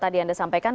tadi anda sampaikan